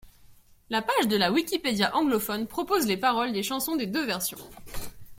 La page de la wikipédia anglophone propose les paroles des chansons des deux versions.